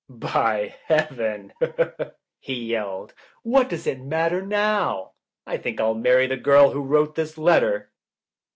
"By heaven" he yelled, "what does it mat ter now? I think I'll marry the girl who wrote this letter."